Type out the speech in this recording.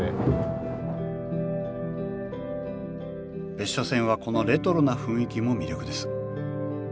別所線はこのレトロな雰囲気も魅力です。